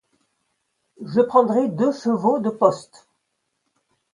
Je prendrai deux chevaux de poste.